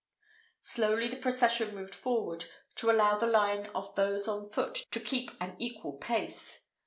Slowly the procession moved forward, to allow the line of those on foot to keep an equal pace.